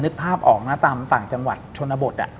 นึกภาพออกนะตามต่างจังหวัดชนบท